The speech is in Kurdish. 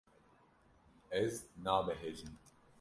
Ez nabehecim.